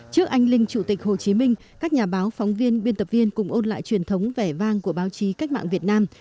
trước anh linh chủ tịch hồ chí minh các nhà báo phóng viên biên tập viên cùng ôn lại truyền thống vẻ vang của báo chí cách mạng việt nam